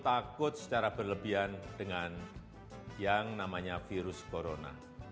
tidak perlu secara berlebihan dengan yang namanya virus corona